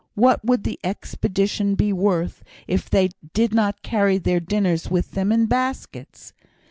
What would the expedition be worth if they did not carry their dinners with them in baskets?